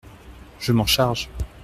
Je m’en charge !